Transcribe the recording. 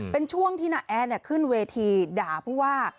เป็นช่วงที่น้าแอดขึ้นเวทีด่าผู้ว่า